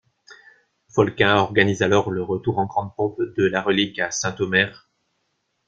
Folquin organise alors le retour en grande pompe de la relique à Saint-Omer.